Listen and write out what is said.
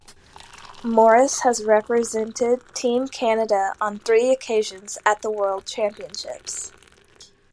Morris has represented Team Canada on three occasions at the World Championships.